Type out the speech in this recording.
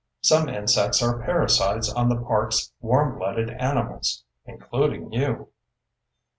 Some insects are parasites on the park's warmblooded animals (including you).